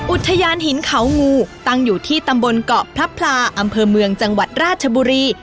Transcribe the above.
อุทยานหินเขางูตั้งอยู่ที่ตำบลเกาะพระพลาอำเภอเมืองจังหวัดราชบุรี